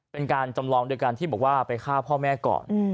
เป็นการจำลองโดยการที่บอกว่าไปฆ่าพ่อแม่ก่อน